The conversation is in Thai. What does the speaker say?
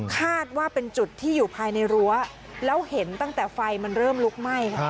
คาดว่าเป็นจุดที่อยู่ภายในรั้วแล้วเห็นตั้งแต่ไฟมันเริ่มลุกไหม้ค่ะ